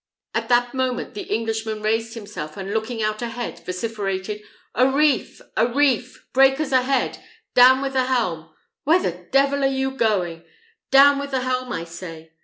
At that moment the Englishman raised himself, and looking out ahead, vociferated, "A reef! a reef! Breakers ahead! Down with the helm! where the devil are you going? Down with the helm, I say!"